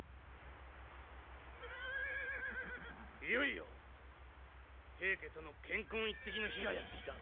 いよいよ平家との乾坤一擲の日がやって来た。